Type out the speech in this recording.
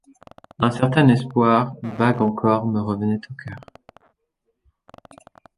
Un certain espoir, vague encore, me revenait au cœur.